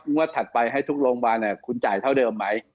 งวดถัดไปให้ทุกโรงพยาบาลคุณจ่ายเท่าเดิมไหม